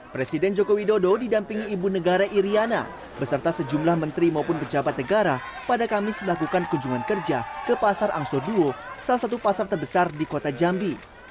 presiden joko widodo didampingi ibu negara iryana beserta sejumlah menteri maupun pejabat negara pada kamis melakukan kunjungan kerja ke pasar angsur duo salah satu pasar terbesar di kota jambi